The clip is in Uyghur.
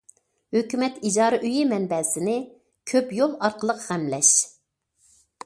ھۆكۈمەت ئىجارە ئۆيى مەنبەسىنى كۆپ يول ئارقىلىق غەملەش.